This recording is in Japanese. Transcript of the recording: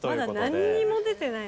まだなんにも出てない。